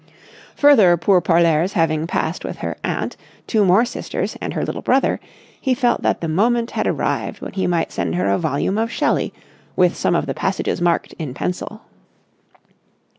Further pour parlers having passed with her aunt, two more sisters, and her little brother, he felt that the moment had arrived when he might send her a volume of Shelley, with some of the passages marked in pencil.